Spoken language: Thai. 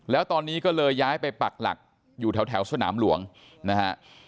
แล้วตอนนี้ก็เลยย้ายไปปักหลักอยู่แถวสนามหลวงนะฮะ